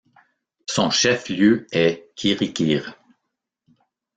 Son chef-lieu est Quiriquire.